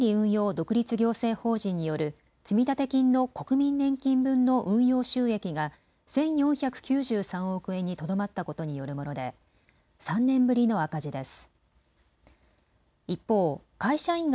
独立行政法人による積立金の国民年金分の運用収益が１４９３億円にとどまったことによるもので３年ぶりの赤字です。